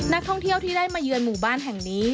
นักท่องเที่ยวที่ได้มาเยือนหมู่บ้านแห่งนี้